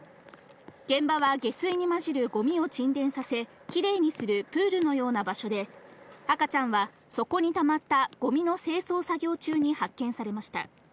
現場は下水に混じるごみを沈殿させ、きれいにするプールのような場所で、赤ちゃんは底にたまったごみの清掃作業中に発見されました。